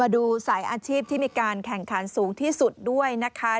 ดูสายอาชีพที่มีการแข่งขันสูงที่สุดด้วยนะคะ